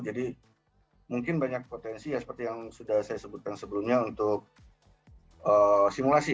jadi mungkin banyak potensi seperti yang sudah saya sebutkan sebelumnya untuk simulasi